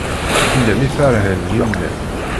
Fell-am i terhen yemma-m.